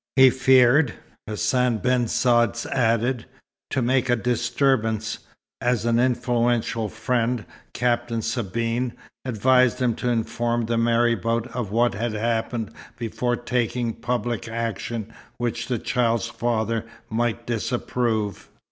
He feared, Hassan ben Saad added, to make a disturbance, as an influential friend Captain Sabine advised him to inform the marabout of what had happened before taking public action which the child's father might disapprove.